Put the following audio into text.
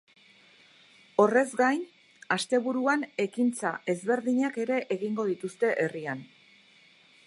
Horrez gain, asteburuan ekintza ezberdinak ere egingo dituzte herrian.